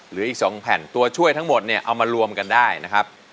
เหลืออีก๒แผ่นตัวช่วยทั้งหมดเนี่ยเอามารวมกันได้นะครับ